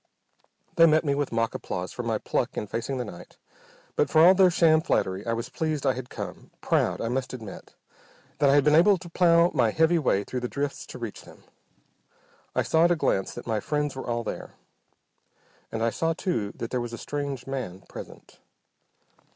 They met me with mock applause for my pluck in facing the night, but for all their sham flattery I was pleased I had come, proud, I must admit, that I had been able to plough my heavy way through the drifts to reach them. I saw at a glance that my friends were all there, and I saw too that there was a strange man present.